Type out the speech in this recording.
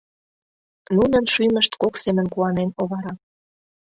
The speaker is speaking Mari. Нунын шӱмышт кок семын куанен овара.